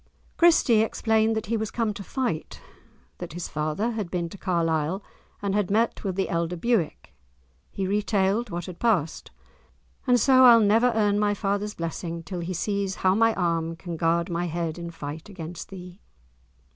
Christie explained that he was come to fight, that his father had been to Carlisle, and had met with the elder Bewick. He retailed what had passed, "and so I'll never earn my father's blessing, till he sees how my arm can guard my head in fight against thee."